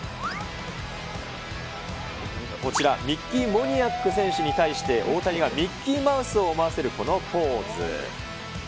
こちら、ミッキー・モニアック選手に対して、大谷がミッキーマウスを思わせる、このポーズ。